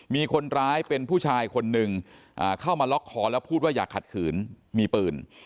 มีคนร้ายเป็นผู้ชายคนหนึ่งเข้ามาล็อกคอแล้วพูดว่าอย่าขัดขืนมีปืน